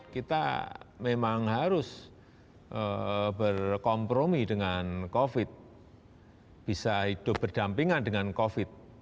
kita memang harus berkompromi dengan covid sembilan belas bisa hidup berdampingan dengan covid sembilan belas